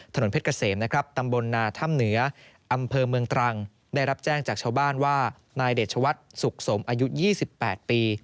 ถนนเพชรเกษมนะครับตำบลนาถ้ำเหนืออำเภอเมืองตรังได้รับแจ้งจากชาวบ้านว่านายเดชวัฒน์สุขสมอายุ๒๘ปี